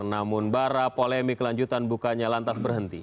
namun bara polemik lanjutan bukannya lantas berhenti